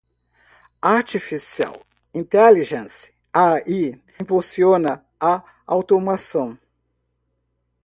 Artificial Intelligence (AI) impulsiona a automação.